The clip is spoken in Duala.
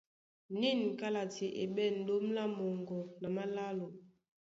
Nîn kálati e ɓɛ̂n ɗóm lá moŋgo na málálo.